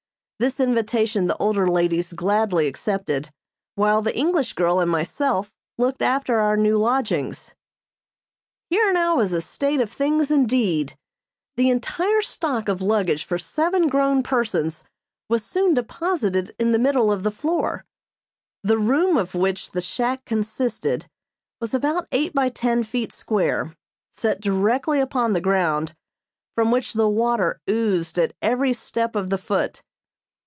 This invitation the older ladies gladly accepted, while the English girl and myself looked after our new lodgings. Here now was a state of things indeed! The entire stock of luggage for seven grown persons was soon deposited in the middle of the floor. The room of which the shack consisted was about eight by ten feet square, set directly upon the ground, from which the water oozed at every step of the foot.